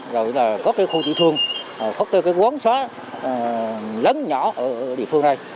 rồi là có cái khu tự thương có cái quấn xóa lớn nhỏ ở địa phương đây